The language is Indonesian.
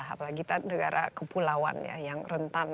apalagi kita negara kepulauan ya